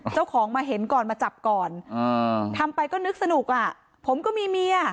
เจ้าของมาเห็นก่อนมาจับก่อนทำไปก็นึกสนุกอ่ะผมก็มีเมีย